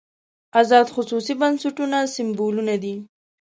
ازاد خصوصي بنسټونه سېمبولونه دي.